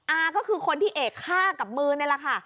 อาก็คือคนที่เอกฆ่ากับมือนี่แหละค่ะ